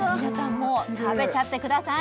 もう食べちゃってください！